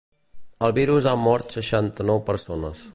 El virus ha mort seixanta-nou persones.